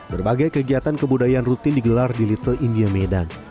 berbagai kegiatan kebudayaan rutin digelar di little india medan